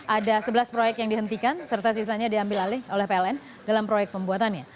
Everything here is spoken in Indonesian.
ada sebelas proyek yang dihentikan serta sisanya diambil alih oleh pln dalam proyek pembuatannya